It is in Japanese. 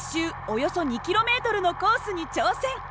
およそ２ｋｍのコースに挑戦。